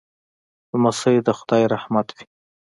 لمسی د خدای رحمت وي.